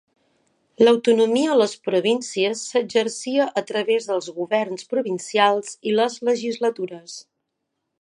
L'autonomia a les províncies s'exercia a través dels governs provincials i les legislatures.